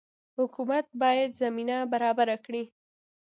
حکومت باید زمینه برابره کړي